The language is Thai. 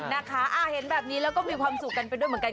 นะคะเห็นแบบนี้แล้วก็มีความสุขกันไปด้วยเหมือนกัน